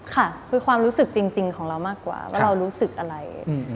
ค่ะคือความรู้สึกจริงของเรามากกว่าว่าเรารู้สึกอะไร